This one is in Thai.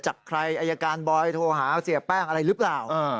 จากใครอายการบอยโทรหาเสียแป้งอะไรหรือเปล่า